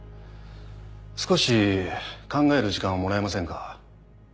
少し考える時間をもらえませんか？